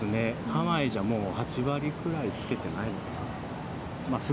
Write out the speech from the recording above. ハワイじゃもう、８割くらい着けてないのかな。